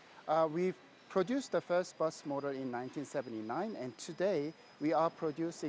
namun untuk mengatasi permintaan yang lebih besar kami memindahkan faktori di vanaherang pada tahun seribu sembilan ratus tujuh puluh delapan